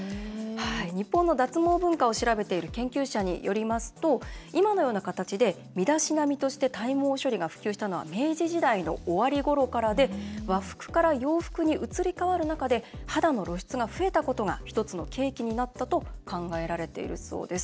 日本の脱毛文化を調べている研究者によりますと今のような形で身だしなみとして体毛処理が普及したのは明治時代の終わりごろからで和服から洋服に移り変わる中で肌の露出が増えたことが１つの契機になったと考えられているそうです。